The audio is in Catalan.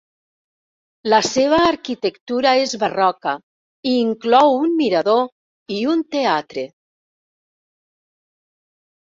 La seva arquitectura és barroca i inclou un mirador i un teatre.